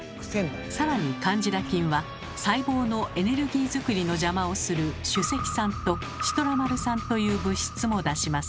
さらにカンジダ菌は細胞のエネルギー作りの邪魔をする酒石酸とシトラマル酸という物質も出します。